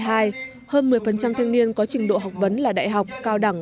hơn một mươi thanh niên có trình độ học vấn là đại học cao đẳng